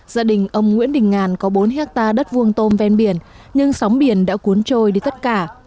gia đình ông nguyễn đình ngàn có bốn hectare đất vuông tôm ven biển nhưng sóng biển đã cuốn trôi đi tất cả